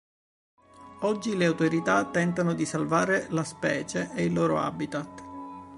Oggi le autorità tentano di salvare la specie ed il loro habitat.